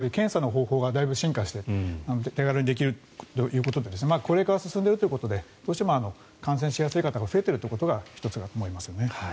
最近、年々増えているのは今お話しいただいたとおり検査の方法がだいぶ進化して手軽にできるということで高齢化が進んでいるということでどうしても感染しやすい方が増えているということが１つだと思いますね。